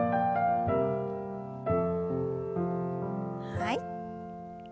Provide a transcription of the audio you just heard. はい。